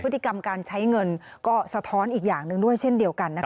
พฤติกรรมการใช้เงินก็สะท้อนอีกอย่างหนึ่งด้วยเช่นเดียวกันนะคะ